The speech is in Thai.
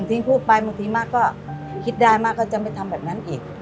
ที่พูดไปบางทีมากก็คิดได้มากก็จะไม่ทำแบบนั้นอีก